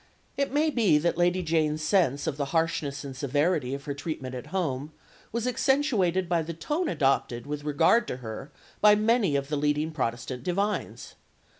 It may be that Lady Jane's sense of the harshness and severity of her treatment at home was accentuated by the tone adopted with regard to her by many of the leading Protestant divines.